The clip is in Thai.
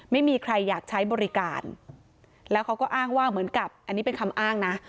ไม่มีใครอยากใช้บริการแล้วเขาก็อ้างว่าเหมือนกับอันนี้เป็นคำอ้างนะ